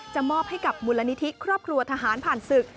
มอบให้กับมูลนิธิครอบครัวทหารผ่านศึก